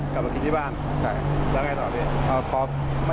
กลับมากินที่บ้านแล้วอย่างไรต่อพี่